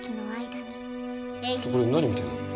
それ何見てるの？